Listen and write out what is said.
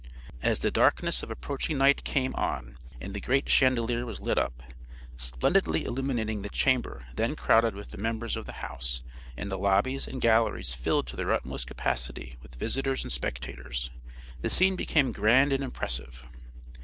As the darkness of approaching night came on and the great chandelier was lit up, splendidly illuminating the chamber then crowded with the members of the house, and the lobbies and galleries filled to their utmost capacity with visitors and spectators, the scene became grand and impressive.